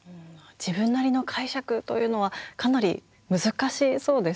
自分なりの解釈というのはかなり難しそうですよね。